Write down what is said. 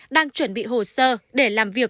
đang chuẩn bị hồ sơ để làm việc